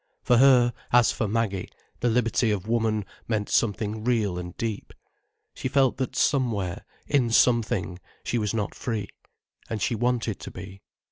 For her, as for Maggie, the liberty of woman meant something real and deep. She felt that somewhere, in something, she was not free. And she wanted to be.